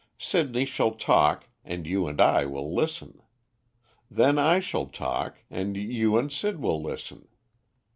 Sidney shall talk, and you and I will listen; then I shall talk, and you and Sid will listen.